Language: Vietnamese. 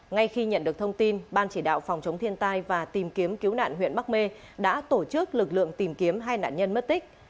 ngay khi nhận được thông tin ban chỉ đạo phòng chống thiên tai và tìm kiếm cứu nạn huyện bắc mê đã tổ chức lực lượng tìm kiếm hai nạn nhân mất tích